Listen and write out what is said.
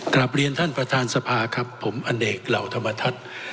กลับเรียนท่านประธานสภาครับผมอเนกเหล่าธรรมทัศน์